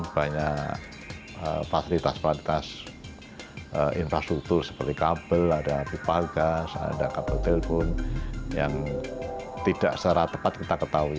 banyak fasilitas fasilitas infrastruktur seperti kabel ada pipa gas ada kabel telpon yang tidak secara tepat kita ketahui